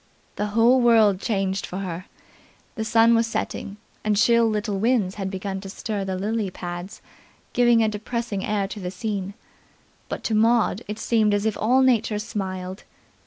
The whole world changed for her. The sun was setting and chill little winds had begun to stir the lily pads, giving a depressing air to the scene, but to Maud it seemed as if all Nature smiled.